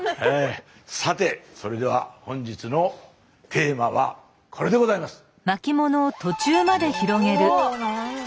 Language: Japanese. さてそれでは本日のテーマはこれでございます！ね？